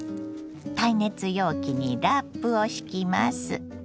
耐熱容器にラップを敷きます。